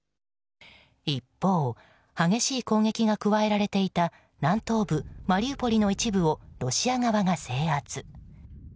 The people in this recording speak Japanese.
一方激しい攻撃が加えられていた南東部マリウポリの一部をロシア側が制圧。